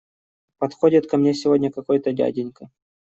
Подходит ко мне сегодня какой-то дяденька.